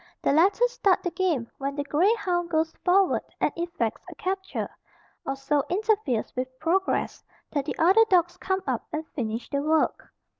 The latter start the game when the grey hound goes forward and effects a capture, or so interferes with progress, that the other dogs come up and finish the work.